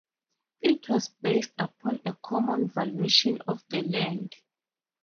It was based upon a common valuation of the land.